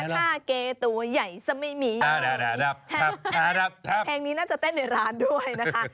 ปูนาค่าเกตัวใหญ่ซะไม่มีอย่างนี้แห่งนี้น่าจะเต้นในร้านด้วยนะคะ